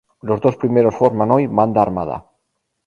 Los dos primeros forman hoy Banda Armada.